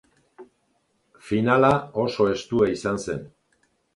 Finala oso estua izan zen.